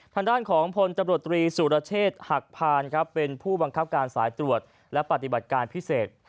ทางด้านของพลตำรวจตรีสุรเชษฐ์หักพานครับเป็นผู้บังคับการสายตรวจและปฏิบัติการพิเศษ